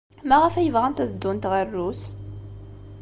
Maɣef ay bɣant ad ddunt ɣer Rrus?